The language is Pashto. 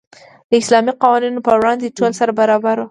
د اسلامي قوانینو په وړاندې ټول سره برابر وو.